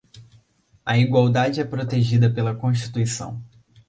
A igualdade é protegida pela Constituição.